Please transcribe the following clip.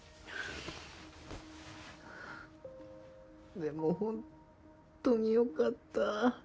でも本当によかった。